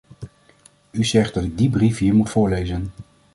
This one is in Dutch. U zegt dat ik die brief hier moet voorlezen.